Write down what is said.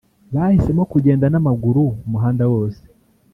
Bahisemo kugenda n’amaguru umuhanda wose